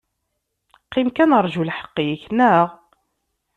Qim kan aṛǧu lḥeq-ik, neɣ?